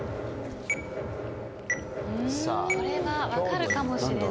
・これは分かるかもしれない。